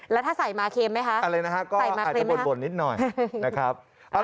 แล้วถ้าใส่มาเค็มไหมคะอะไรนะฮะก็อาจจะบ่นนิดหน่อยนะครับ